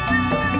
gak ada apa apa